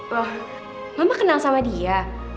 loh mama kenal sama dia